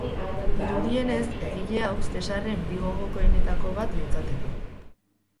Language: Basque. Dirudienez egile hau Zesarren bi gogokoenetako bat litzateke.